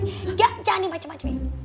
ya jangan nih macem macem